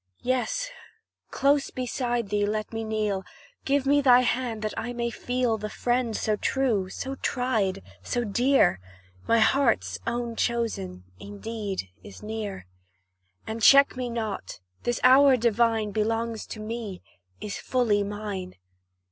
Yes, close beside thee let me kneel Give me thy hand, that I may feel The friend so true so tried so dear, My heart's own chosen indeed is near; And check me not this hour divine Belongs to me is fully mine.